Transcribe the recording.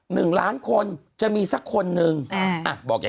คุณหนุ่มกัญชัยได้เล่าใหญ่ใจความไปสักส่วนใหญ่แล้ว